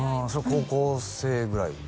高校生ぐらい？